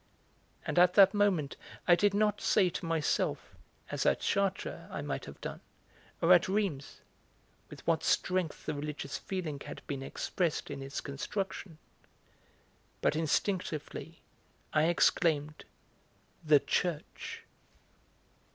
And at that moment I did not say to myself, as at Chartres I might have done or at Rheims, with what strength the religious feeling had been expressed in its construction, but instinctively I exclaimed "The Church!"